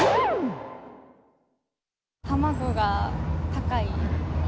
卵が高い。